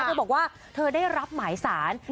เธอบอกว่าเธอได้รับหมายสาร